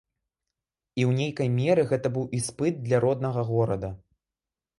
І ў нейкай меры гэта быў іспыт для роднага горада.